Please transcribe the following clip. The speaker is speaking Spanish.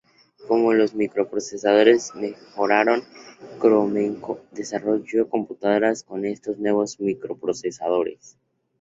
Como los microprocesadores mejoraron, Cromemco desarrolló computadoras con estos nuevos microprocesadores.